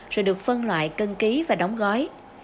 rồi được phân loại cân ký và đóng gói